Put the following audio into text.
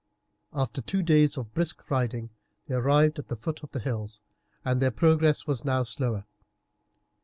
After two days' brisk riding they arrived at the foot of the hills, and their progress was now slower.